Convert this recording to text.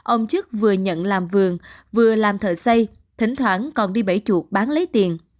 ông chức vừa nhận làm vườn vừa làm thợ xây thỉnh thoảng còn đi bảy chuột bán lấy tiền